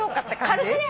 軽くね。